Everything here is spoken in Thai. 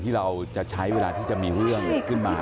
ที่เราจะใช้เวลาที่จะมีเรื่องขึ้นมา